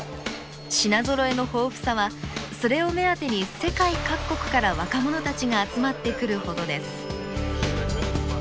品ぞろえの豊富さはそれを目当てに世界各国から若者たちが集まってくるほどです。